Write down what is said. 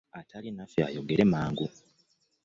Atali naffe ayogere mangu.